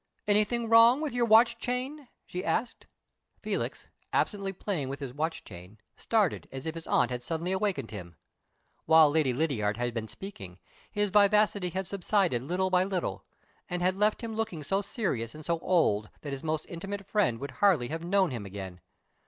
"Anything wrong with your watch chain?" she asked. Felix, absently playing with his watch chain, started as if his aunt had suddenly awakened him. While Lady Lydiard had been speaking, his vivacity had subsided little by little, and had left him looking so serious and so old that his most intimate friend would hardly have known him again.